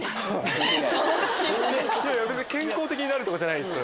健康的になるとかじゃないです